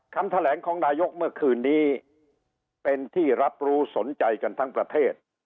คำแถลงของนายกเมื่อคืนนี้เป็นที่รับรู้สนใจกันทั้งประเทศ